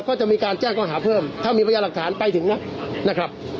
ก็จะมีการแจ้งข้อหาเพิ่มถ้ามีพยายามหลักฐานไปถึงนะนะครับ